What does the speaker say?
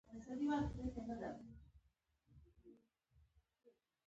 هغوی چې پانګه یې کمه وي لږ بازار مومي